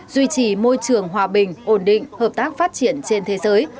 duy trì môi trường hòa bình ổn định hợp tác phát triển trên thế giới